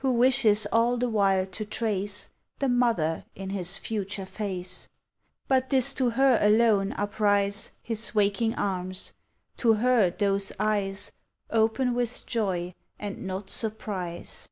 27 Who wishes all the while to trace The mother in his future face; But 't is to her aloue uprise His waking arms; to her those eyes Open with joy and not surprise.